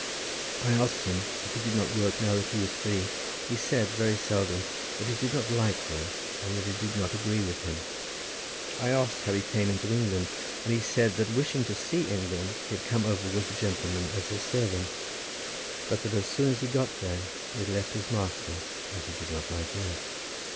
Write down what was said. I asked him if he did not work now that he was free? He said very seldom; that he did not like work, and that it did not agree with him. I asked how he came into England, and he said that wishing to see England, he had come over with a gentleman as his servant, but that as soon as he got there, he had left his master, as he did not like work.